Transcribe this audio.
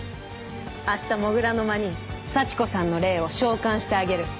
明日土竜の間に幸子さんの霊を召喚してあげる。